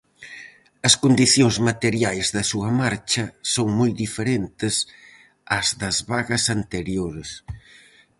As condicións materiais da súa marcha son moi diferentes ás das vagas anteriores.